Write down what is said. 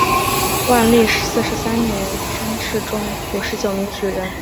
万历四十三年乡试中五十九名举人。